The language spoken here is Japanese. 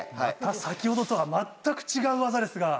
先程とは全く違う技ですが。